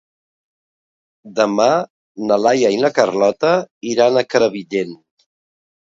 Demà na Laia i na Carlota iran a Crevillent.